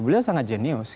beliau sangat jenius